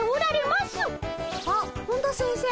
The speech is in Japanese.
あっ本田先生。